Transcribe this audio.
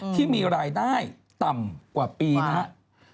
ที่มีรายได้ต่ำกว่าปีนะครับ